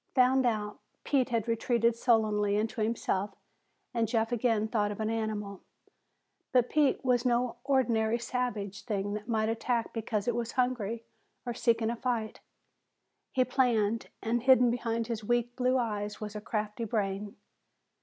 Found out, Pete had retreated sullenly into himself and Jeff again thought of an animal. But Pete was no ordinary savage thing that might attack because it was hungry or seeking a fight. He planned, and hidden behind his weak blue eyes was a crafty brain.